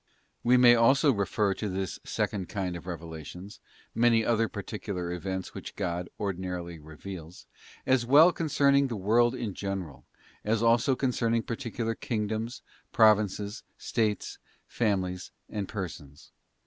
We may also refer to this second kind of revelations, many other particular events which God ordinarily reveals, as well concerning the world in general, as also concerning particular Kingdoms, Provinces, States, families, and persons.